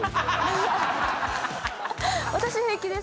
私平気です。